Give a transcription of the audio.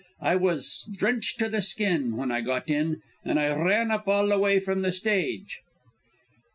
I was drenched to the skin when I got in, and I ran up all the way from the stage."